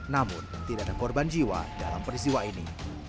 namun tidak ada korban jiwa dalam peristiwa ini